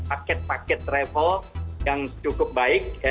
paket paket travel yang cukup baik